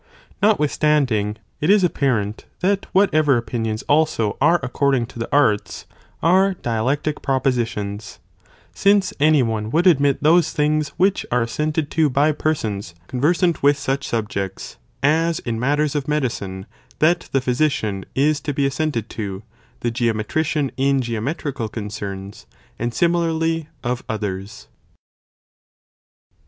Notwithstanding, it is apparent that whatever opinions also are according to the arts, are dialectic propositions ; since any one would admit those things, which are assented to by persons conversant with such subjects, as in matters of medicine, that the physician (is to be assented to), the geometrician in geometrical concerns, and similarly of others.